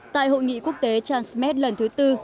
tại hội nghị quốc tế transmed lần thứ tư